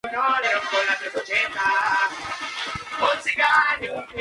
Ese año Bennett solo hizo un film, "Good Medicine," junto a Edward Everett Horton.